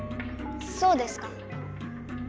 そうですか。